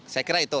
saya kira itu